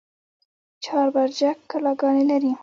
چهار برجک کلاګانې لري؟